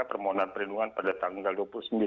permohonan perlindungan pada tanggal dua puluh sembilan